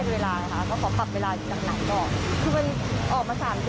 เพราะจากว่านอนได้เจ็บเวลานะคะก็ขอกลับเวลาจากหนังก่อน